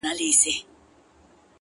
هغه اوس اوړي غرونه غرونه پرېږدي.!